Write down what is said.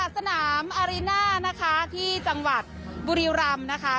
สนามอาริน่านะคะที่จังหวัดบุรีรำนะคะ